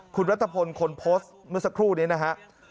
คุณรัฐพลคนโพสต์เมื่อสักครู่นี้นะฮะ